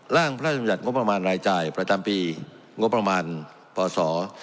ร่างพระราชมิตรงบประมาณรายจ่ายประจำปีงบประมาณปศ๒๐๖๖